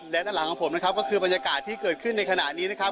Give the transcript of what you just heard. และด้านหลังของผมนะครับก็คือบรรยากาศที่เกิดขึ้นในขณะนี้นะครับ